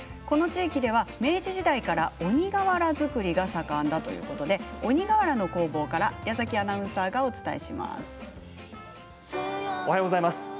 この地域では、明治時代から鬼がわら作りが盛んだということで鬼がわらの工房から矢崎アナウンサーがお伝えします。